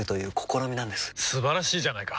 素晴らしいじゃないか！